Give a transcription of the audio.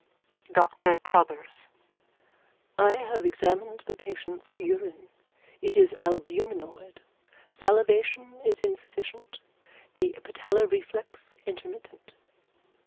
DR CROTTHERS: I have examined the patient's urine. It is albuminoid. Salivation is insufficient, the patellar reflex intermittent.